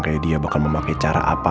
mau minta kamu mengerti ya